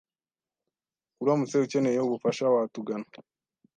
Uramutse ukeneye ubufasha, watugana